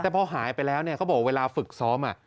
พอหายไปแล้วเนี่ยเขาบอกว่าเวลาฝึกซ้อมอะ